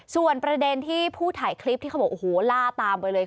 ส่วนประเด็นที่ผู้ถ่ายคลิปที่เขาบอกโอ้โหล่าตามไปเลย